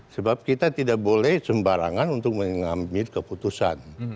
sebab kita tidak boleh sembarangan untuk mengambil keputusan